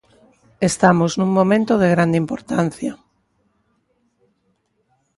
Estamos nun momento de grande importancia.